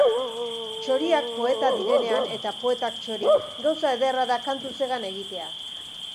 Txoriak poeta direnean eta poetak txori, gauza ederra da kantuz hegan egitea.